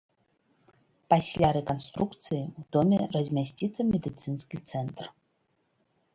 Пасля рэканструкцыі ў доме размясціцца медыцынскі цэнтр.